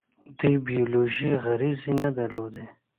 دوی بیولوژیکي غریزې نه درلودې.